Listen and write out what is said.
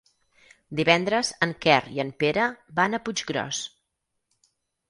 Divendres en Quer i en Pere van a Puiggròs.